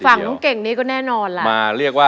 ฝั่งน้องเก่งนี้ก็แน่นอนล่ะ